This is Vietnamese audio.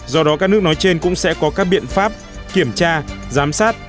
do đó các nước nói trên cũng sẽ có các biện pháp kiểm tra giám sát